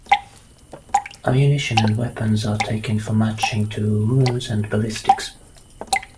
Ammunition and weapons are taken for matching to wounds and ballistics.